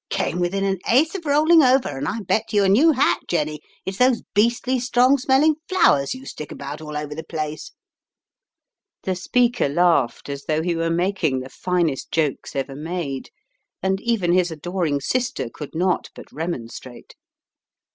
"Came within an ace of rolling over, and I bet you a new hat, Jenny, it's those beastly strong smelling flowers you stick about all over the place/' The speaker laughed as though he were making the finest jokes ever made, and even his adoring sister could not but remonstrate.